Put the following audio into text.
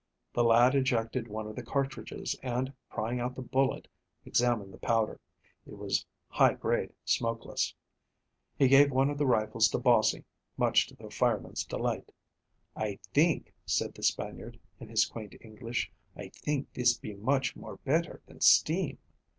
The lad ejected one of the cartridges, and prying out the bullet, examined the powder. It was high grade smokeless. He gave one of the rifles to Bossie, much to the fireman's delight. "I think," said the Spaniard in his quaint English, "I think this be much more better than steam."